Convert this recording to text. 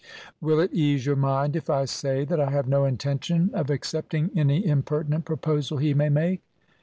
"Will it ease your mind if I say that I have no intention of accepting any impertinent proposal he may make?"